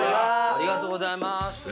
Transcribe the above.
ありがとうございます。